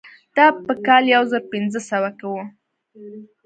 دا په کال یو زر پنځه سوه کې وه.